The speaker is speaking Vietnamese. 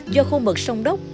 do khu mực sông đốc